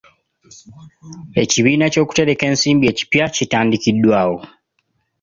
Ekibiina ky'okutereka ensimbi ekipya kitandikiddwawo.